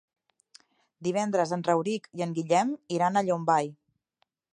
Divendres en Rauric i en Guillem iran a Llombai.